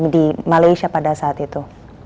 di malaysia pada saat itu